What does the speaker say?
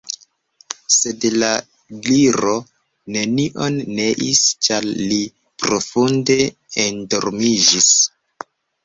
Sed la Gliro nenion neis, ĉar li profunde endormiĝis.